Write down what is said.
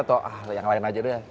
atau ah yang lain aja deh